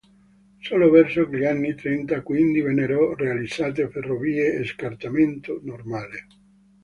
Solo verso gli anni trenta quindi vennero realizzate ferrovie a scartamento normale.